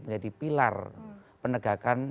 menjadi pilar penegakan